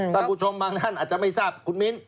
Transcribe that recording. ท่านผู้ชมบางท่านอาจจะไม่ทราบคุณมิ้น